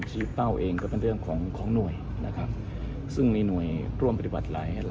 มันมีข้อมูลเกี่ยวข้องกับเว็บพนักอะไรอย่างนั้นจริงจริงจริงจริงถ้าตามข้อมูลเนี้ยผมผมไม่ทราบรายละเอียดนะครับ